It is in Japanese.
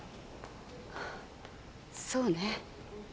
そうね。